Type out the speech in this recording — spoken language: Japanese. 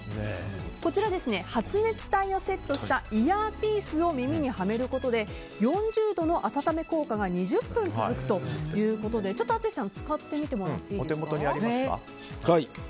こちら発熱体をセットしたイヤーピースを耳にはめることで４０度の温め効果が２０分続くということで淳さん、使ってみてもらっていいですか。